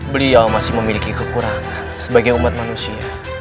beliau masih memiliki kekurangan sebagai umat manusia